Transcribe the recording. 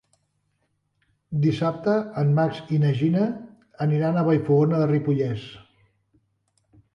Dissabte en Max i na Gina aniran a Vallfogona de Ripollès.